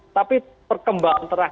tapi perkembangan terakhir